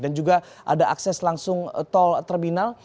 dan juga ada akses langsung tol terminal